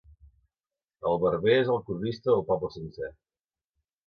El barber és el cronista del poble sencer.